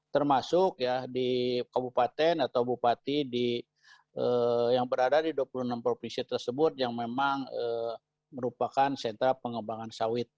termasuk ya di kabupaten atau bupati yang berada di dua puluh enam provinsi tersebut yang memang merupakan sentra pengembangan sawit